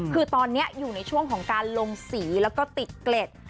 คือตอนนี้อยู่ในช่วงของการลงสีแล้วก็ติดเกล็ด